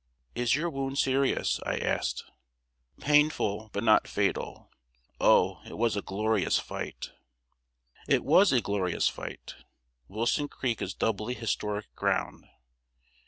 "Is your wound serious?" I asked. "Painful, but not fatal. O, it was a glorious fight!" It was a glorious fight. Wilson Creek is doubly historic ground.